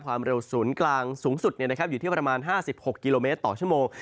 ความเร็วศูนย์กลางสูงสุดอยู่ที่ประมาณ๕๖กิโลเมตรต่อชั่วโมง